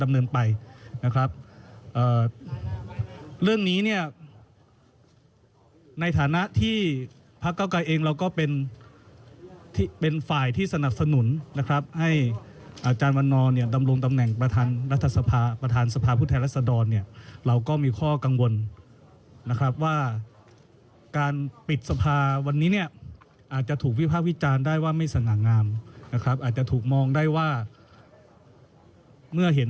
เรื่องนี้เนี่ยในฐานะที่พักเก้าไกรเองเราก็เป็นที่เป็นฝ่ายที่สนับสนุนนะครับให้อาจารย์วันนอร์เนี่ยดำรงตำแหน่งประธานรัฐสภาประธานสภาผู้แทนรัศดรเนี่ยเราก็มีข้อกังวลนะครับว่าการปิดสภาวันนี้เนี่ยอาจจะถูกวิภาควิจารณ์ได้ว่าไม่สง่างามนะครับอาจจะถูกมองได้ว่าเมื่อเห็น